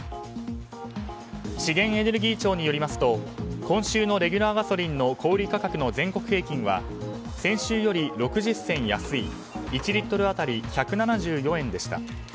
資源エネルギー庁によりますと今週のレギュラーガソリンの小売価格の全国平均は先週より６０銭安い１リットル当たり１７４円でした。